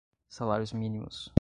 salários-mínimos